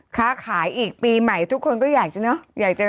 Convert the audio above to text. คักหายอีกปีใหม่ทุกคนก็อยากจะอยากจะ